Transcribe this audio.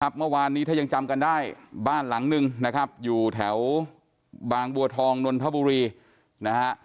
เมื่อวานนี้ถ้ายังจำกันได้บ้านหลังนึงนะครับอยู่แถวบางบัวทองนนทบุรีนะฮะ